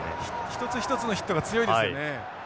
一つ一つのヒットが強いですよね。